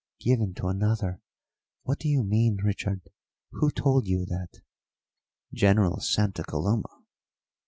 "Given to another? What do you mean, Richard? Who told you that?" "General Santa Coloma."